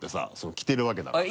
着てるわけだから今。